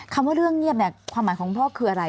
คำว่าเรื่องเงียบความหมายของพ่อคืออะไร